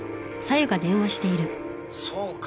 そうか。